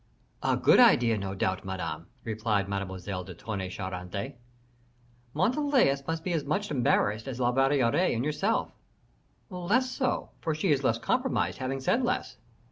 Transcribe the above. "A good idea, no doubt, Madame," replied Mademoiselle de Tonnay Charente. "Montalais must be as much embarrassed as La Valliere and yourself." "Less so, for she is less compromised, having said less."